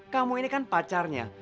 kamu ini kan pacarnya